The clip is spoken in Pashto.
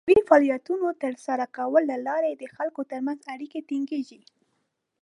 د کلتوري فعالیتونو د ترسره کولو له لارې د خلکو تر منځ اړیکې ټینګیږي.